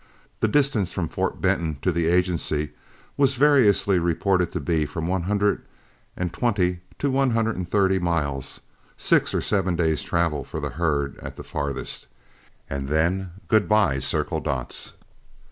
The distance from Fort Benton to the agency was variously reported to be from one hundred and twenty to one hundred and thirty miles, six or seven days' travel for the herd at the farthest, and then good by, Circle Dots!